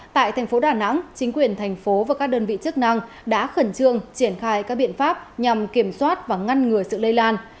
tại thành phố đà nẵng chính quyền thành phố và các đơn vị chức năng đã khẩn trương triển khai các biện pháp nhằm kiểm soát và ngăn ngừa sự lây lan